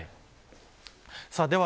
では